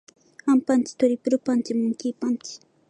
アンパンチ。トリプルパンチ。モンキー・パンチ。